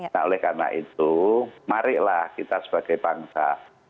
nah oleh karena itu marilah kita sebagai bangsa